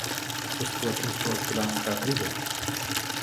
A co společensko-hospodářská krize?